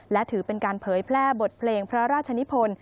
และถือเป็นการเผยแพร่บทเพลงพระราชนิพล